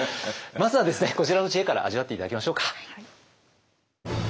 まずはですねこちらの知恵から味わって頂きましょうか。